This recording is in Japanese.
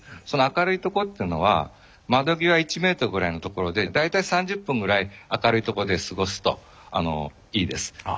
その明るい所っていうのは窓際１メートルぐらいの所で大体３０分ぐらい明るい所で過ごすといいです。